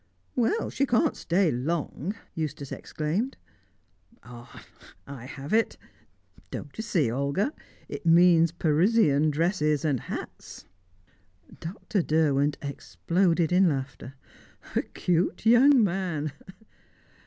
"Well, she can't stay long," Eustace exclaimed. "Ah! I have it! Don't you see, Olga? It means Parisian dresses and hats!" Dr. Derwent exploded in laughter. "Acute young man!